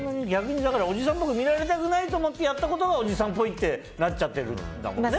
おじさんっぽく見られたくないと思ってやったことがおじさんっぽいってなちゃうってことだもんね。